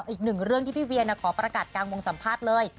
อีกหนึ่งเรื่องที่พี่เวียขอประกาศกลางวงสัมภาษณ์เลย